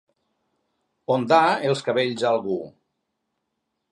Ondar els cabells a algú.